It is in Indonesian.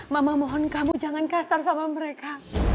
mama mohon kamu jangan kasar sama mereka